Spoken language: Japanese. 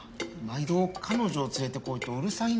毎度彼女を連れてこいとうるさいんです